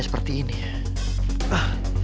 seperti ini ya